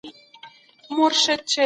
آس 🐴